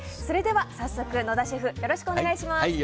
それでは早速、野田シェフよろしくお願い致します。